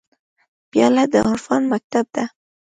پیاله د عرفان مکتب ده.